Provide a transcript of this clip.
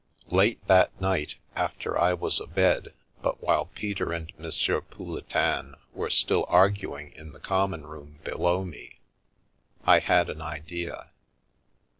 Late that night, after I was abed but while Peter and M. Pouletin were still arguing in the common room be low me, I had an idea.